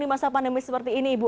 di masa pandemi seperti ini ibu